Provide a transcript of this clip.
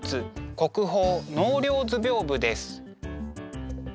国宝「納涼図屏風」です。